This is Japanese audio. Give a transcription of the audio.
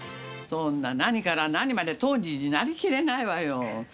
そんな何から何まで当人になりきれないわよ。